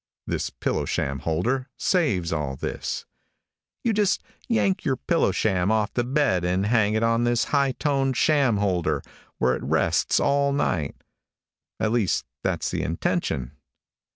This pillow sham holder saves all this. You just yank your pillow sham off the bed and hang it on this high toned sham holder, where it rests all night. At least that's the intention.